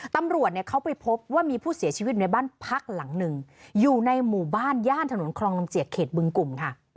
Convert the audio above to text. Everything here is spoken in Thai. ตำรวจเนี่ยเขาไปพบว่ามีผู้เสียชีวิตในบ้านพักหลังหนึ่งอยู่ในหมู่บ้านย่านถนนคลองลำเจียกเขตบึงกลุ่มค่ะ